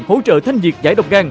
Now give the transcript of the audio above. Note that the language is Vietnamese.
hỗ trợ thanh nhiệt giải độc gan